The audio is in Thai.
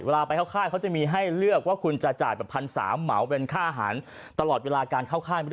เวลาไปเข้าค่ายเขาจะมีให้เลือกว่าคุณจะจ่ายแบบพันสามเหมากินแบนค่าอาหาร